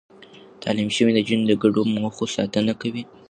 تعليم شوې نجونې د ګډو موخو ساتنه کوي.